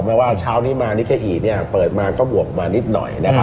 แม้ว่าเช้านี้มานิเวฮีเปิดมาก็บวกมานิดหน่อย